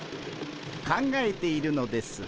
考えているのです。